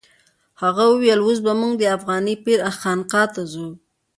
هغه وویل اوس به موږ د افغاني پیر خانقا ته ځو.